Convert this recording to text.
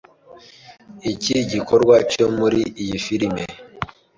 Iki gikorwa cyo muri iyi filime